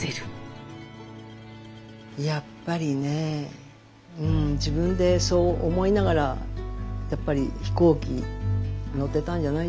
やっぱりね自分でそう思いながらやっぱり飛行機に乗っていたんじゃないでしょうかね。